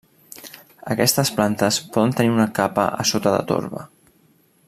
Aquestes plantes poden tenir una capa a sota de torba.